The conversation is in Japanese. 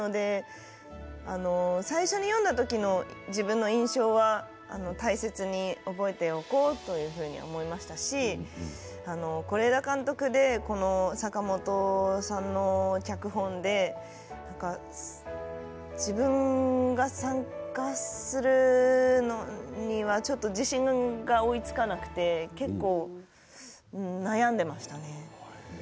最初に読んだ時の自分の印象は大切に覚えておこうというように思いましたし是枝監督で、坂元さんの脚本で自分が参加するのにはちょっと自信が追いつかなくて結構、悩んでいましたね。